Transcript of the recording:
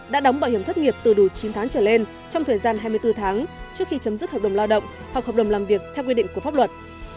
đã đóng bảo hiểm thất nghiệp từ đủ chín tháng trở lên trong thời gian hai mươi bốn tháng trước khi chấm dứt hợp đồng lao động hoặc hợp đồng làm việc theo quy định của pháp luật